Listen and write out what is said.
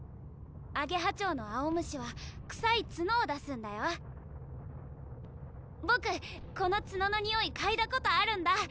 アゲハチョウの青虫はくさい角を出すんだよボクこの角のにおいかいだことあるんだ